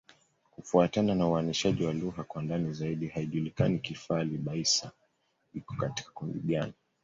Kufuatana na uainishaji wa lugha kwa ndani zaidi, haijulikani Kifali-Baissa iko katika kundi gani.